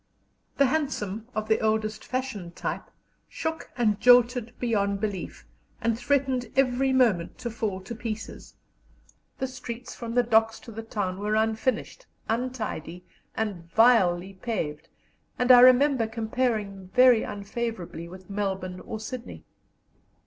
The hansom, of the oldest fashioned type, shook and jolted beyond belief, and threatened every moment to fall to pieces. The streets from the docks to the town were unfinished, untidy, and vilely paved, and I remember comparing them very unfavourably with Melbourne or Sydney.